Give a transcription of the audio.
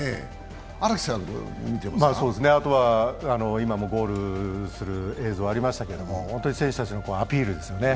あとは、今もゴールする映像ありましたけれども選手たちのアピールですよね。